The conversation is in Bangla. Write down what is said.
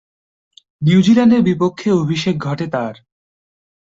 নিউজিল্যান্ডের বিপক্ষে অভিষেক ঘটে তার।